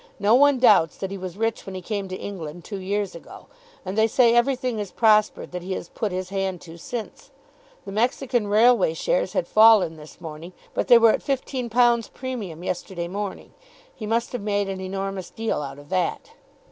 No one doubts that he was rich when he came to England two years ago, and they say everything has prospered that he has put his hand to since. The Mexican Railway shares had fallen this morning, but they were at £15 premium yesterday morning. He must have made an enormous deal out of that."